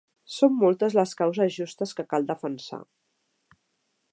Són moltes les causes justes que cal defensar.